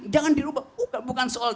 jangan diubah bukan soal